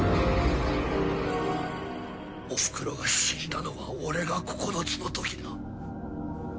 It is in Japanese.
おふくろが死んだのは俺が九つのときだ。